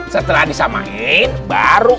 setelah disamain baru